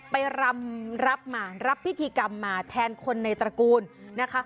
รำรับมารับพิธีกรรมมาแทนคนในตระกูลนะคะ